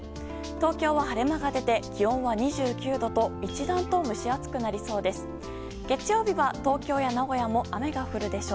東京は晴れ間が出て気温は２９度と一段と蒸し暑くなりそうです。